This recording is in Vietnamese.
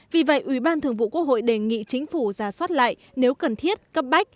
vì vậy ủy ban thường vụ quốc hội đề nghị chính phủ ra soát lại nếu cần thiết cấp bách